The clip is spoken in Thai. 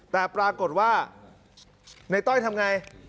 แต่ปรากฏว่าในต้อยทำไง